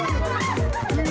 nah gitu ha